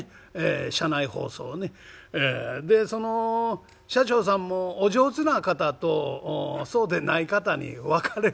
でその車掌さんもお上手な方とそうでない方に分かれるんですよ。